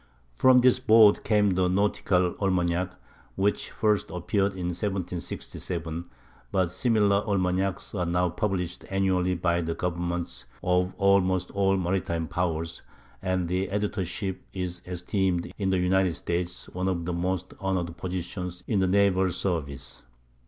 From this board came the "Nautical Almanac," which first appeared in 1767, but similar almanacs are now published annually by the governments of almost all maritime powers, and the editorship is esteemed in the United States one of the most honored positions in the naval service.